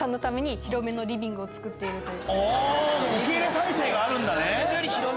受け入れ態勢があるんだね。